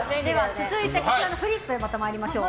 続いて、こちらのフリップに参りましょう。